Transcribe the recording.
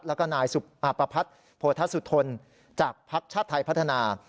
และก็นายประพัทธ์โพธธสุทธนฯจากชาติไทยพัฒนา